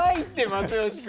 又吉君！